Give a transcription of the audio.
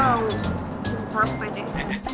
jangan sampai deh